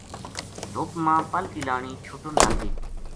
دھُپ ما پل کی لانی چھُٹن لگ گئی